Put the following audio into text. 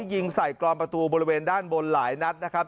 ยิงใส่กรอนประตูบริเวณด้านบนหลายนัดนะครับ